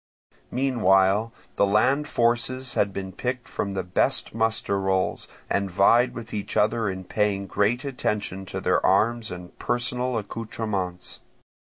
Meanwhile the land forces had been picked from the best muster rolls, and vied with each other in paying great attention to their arms and personal accoutrements.